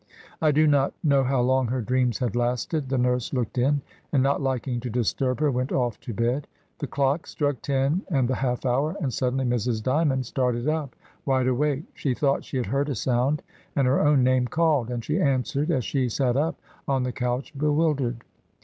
I do not know how long her dreams had lasted; the nurse looked in, and not liking to disturb her went off to bed. The clock struck ten and the half hour, and suddenly Mrs. Dymond started up, wide awake; she thought she had heard a sound and her own name called, and she answered as she sat up on the couch, bewildered.